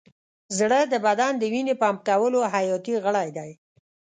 زړه د بدن د وینې پمپ کولو حیاتي غړی دی.